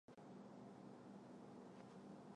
后来由单簧管手兼作曲家加以改良。